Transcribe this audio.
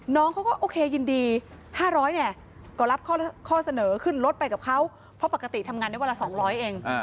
น้องเขาก็โอเคยินดี๕๐๐เนี่ยก็รับข้อเสนอขึ้นรถไปกับเขาเพราะปกติทำงานได้วันละ๒๐๐เอง